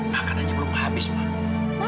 makanannya belum habis ma